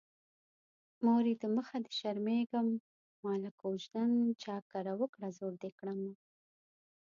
مورې د مخه دې شرمېږم ماله کوژدن چا کره وکړه زوړ دې کړمه